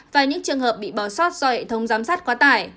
và những trường hợp bị bỏ sót do hệ thống giám sát quá tải